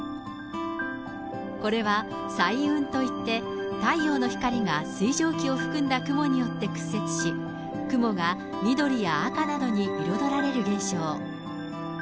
これは彩雲といって太陽の光が水蒸気を含んだ雲によって屈折し、雲が緑や赤などに彩られる現象。